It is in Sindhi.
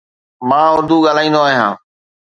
مان اردو ڳالهائيندو آهيان.